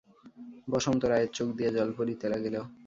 বসন্ত রায়ের চোখ দিয়া জল পড়িতে লাগিল।